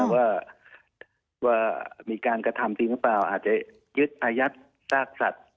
ว่ามีการกระทำจริงหรือเปล่าอาจจะยึดอายัดซากสัตว์